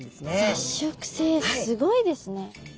雑食性すごいですね。